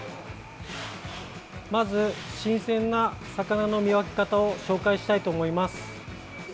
まず、新鮮な魚の見分け方を紹介したいと思います。